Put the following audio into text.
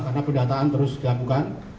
karena pendataan terus digabungkan